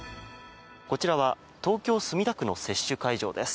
こちらは東京・墨田区の接種会場です。